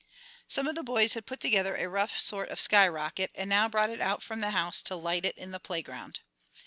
Some of the boys had put together a rough sort of sky rocket, and now brought it out from the house to light it in the playground.